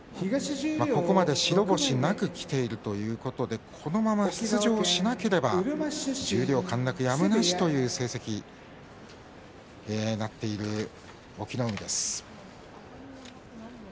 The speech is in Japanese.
ここまで白星なくきているということでこのまま出場しなければ十両陥落やむなしという成績になっている隠岐の海です。